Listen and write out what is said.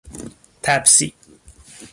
تپسی